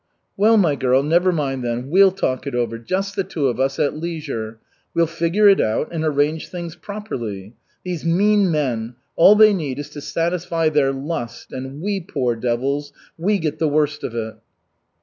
"Well, my girl, never mind, then. We'll talk it over, just the two of us, at leisure. We'll figure it out, and arrange things properly. These mean men all they need is to satisfy their lust, and we, poor devils, we get the worst of it."